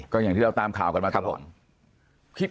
ก็อย่างที่เราตามข่าวกันมาตลอด